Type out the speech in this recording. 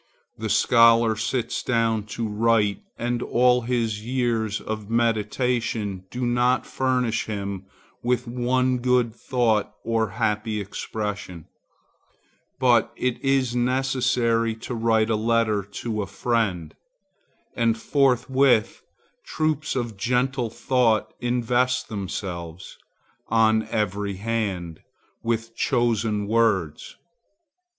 The scholar sits down to write, and all his years of meditation do not furnish him with one good thought or happy expression; but it is necessary to write a letter to a friend,—and forthwith troops of gentle thoughts invest themselves, on every hand, with chosen words.